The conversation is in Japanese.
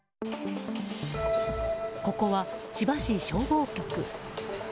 ここは千葉市消防局。